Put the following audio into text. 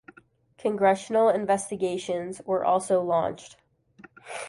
Congressional investigations were also launched.